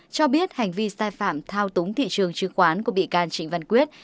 cho biết hành vi sai phạm thao túng thị trường chứng khoán của bị can trịnh văn quyết